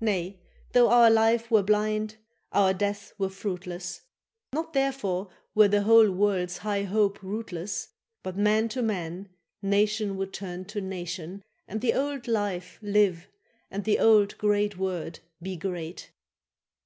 —Nay, though our life were blind, our death were fruitless, Not therefore were the whole world's high hope rootless; But man to man, nation would turn to nation, And the old life live, and the old great word be great.